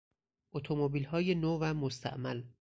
اتومبیلهای نو و مستعمل